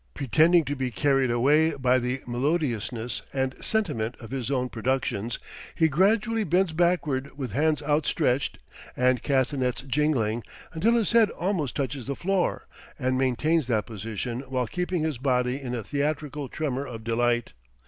Pretending to be carried away by the melodiousness and sentiment of his own productions, he gradually bends backward with hands outstretched and castanets jingling, until his head almost touches the floor, and maintains that position while keeping his body in a theatrical tremor of delight.